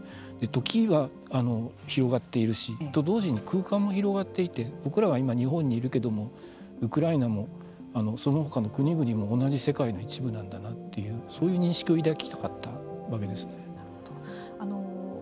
時は広がっているしと同時に空間も広がっていて僕らは今、日本にいるけれどもウクライナもその他の国々も同じ世界の一部なんだなというそういう認識をいだきたかったわけですね。